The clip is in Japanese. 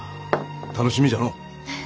楽しみじゃのう。